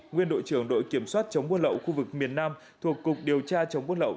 nguyên đội trưởng đội kiểm soát chống buôn lậu khu vực miền nam thuộc cục điều tra chống buôn lậu